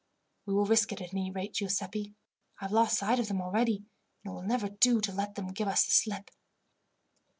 "We will risk it, at any rate, Giuseppi. I have lost sight of them already, and it will never do to let them give us the slip."